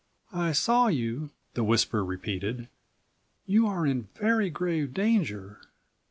"I saw you," the whisper repeated. "You are in very grave danger.